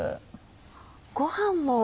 ご飯も？